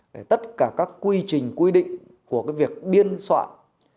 để tất cả các quy trình quy định của cái việc biên soạn